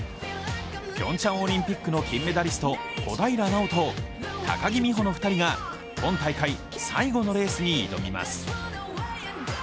ピョンチャンオリンピックの金メダリスト・小平奈緒と高木美帆の２人が今大会最後のレースに挑みます。